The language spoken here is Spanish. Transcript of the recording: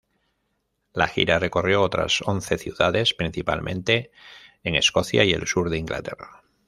La gira recorrió otras once ciudades, principalmente en Escocia y el sur de Inglaterra.